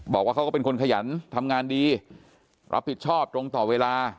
บอกว่าเขาก็เป็นคนขยันทำงานดีรับผิดชอบตรงต่อเวลา